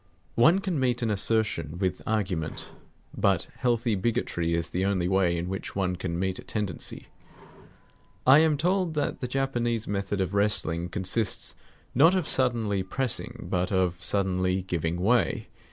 One can meet an assertion with argument; but healthy bigotry is the only way in which one can meet a tendency. I am told that the Japanese method of wrestling consists not of suddenly pressing, but of suddenly giving way.